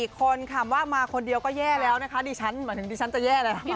คนคำว่ามาคนเดียวก็แย่แล้วนะคะดิฉันหมายถึงดิฉันจะแย่แล้ว